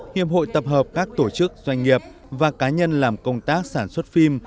hiệp hội tập hợp các tổ chức doanh nghiệp và cá nhân làm công tác sản xuất phim